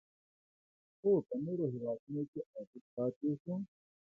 خو په نورو هیوادونو کې یې اغیز پاتې شو